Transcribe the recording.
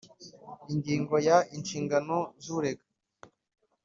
Ingingo ya Inshingano z urega